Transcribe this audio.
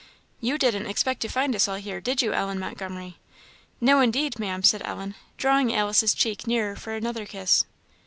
You didn't expect to find us all here, did you, Ellen Montgomery?" "No, indeed, Ma'am," said Ellen, drawing Alice's cheek nearer for another kiss.